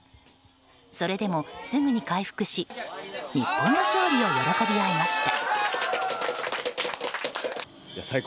それでも、すぐに回復し日本の勝利を喜び合いました。